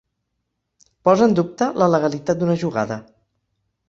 Posa en dubte la legalitat d'una jugada.